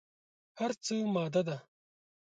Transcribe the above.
هر څه ماده ده.